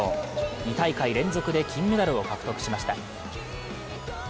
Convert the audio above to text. ２大会連続で金メダルを獲得しました。